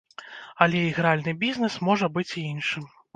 Але ігральны бізнэс можа быць і іншым.